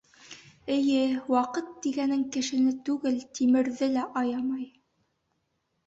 Эйе, ваҡыт тигәнең кешене түгел, тимерҙе лә аямай.